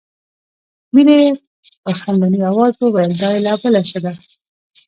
مينې په خندني آواز وویل دا یې لا بله څه ده